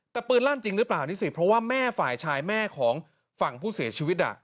แต่ปืนลั่นจริงหรือเปล่านี่สิเพราะว่าแม่ฝ่ายชายแม่ของฝั่งผู้เสียชีวิต